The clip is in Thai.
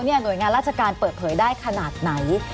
หน่วยงานราชการเปิดเผยได้ขนาดไหน